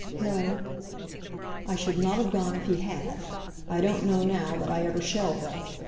"No." "I should not have gone if he had. I don't know now that I ever shall go.